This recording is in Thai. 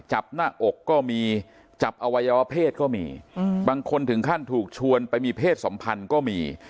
จับหน้าอกก็มีจับอวัยวะเพศก็มีบางคนถึงขั้นถูกชวนไปมีเพศสัมพันธ์ก็มี